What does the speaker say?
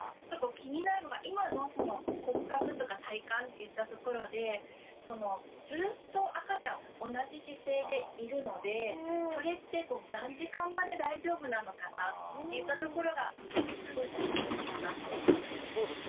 気になるのが今のその骨格とか体幹っていったところでずっと赤ちゃん同じ姿勢でいるのでそれって何時間まで大丈夫なのかなっていったところが少し気にはなっています。